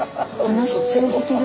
話通じてる。